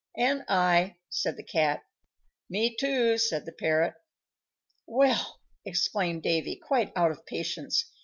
"And I," said the Cat. "Me, too," said the Parrot. "Well!" exclaimed Davy, quite out of patience.